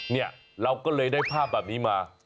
เนี่ยเราก็เลยได้ภาพแบบนี้มา